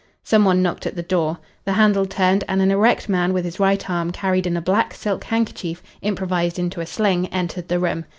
Some one knocked at the door. The handle turned and an erect man with his right arm carried in a black silk handkerchief improvised into a sling entered the room.